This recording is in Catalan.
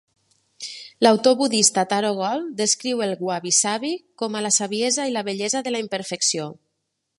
L'autor budista Taro Gold descriu el wabi-sabi com a "la saviesa i la bellesa de la imperfecció".